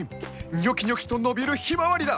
ニョキニョキと伸びるヒマワリだ！